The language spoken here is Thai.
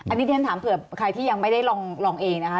อันนี้ที่ฉันถามเผื่อใครที่ยังไม่ได้ลองเองนะคะ